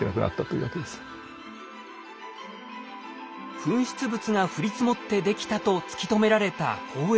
噴出物が降り積もってできたと突き止められた宝永山。